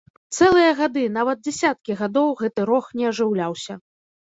Цэлыя гады, нават дзесяткі гадоў гэты рог не ажыўляўся.